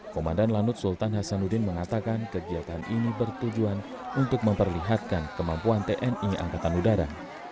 komandan lanut sultan hasanuddin mengatakan kegiatan ini bertujuan untuk memperlihatkan kemampuan tni angkatan udara